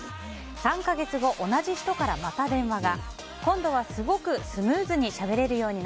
３か月後、同じ人からまた電話が。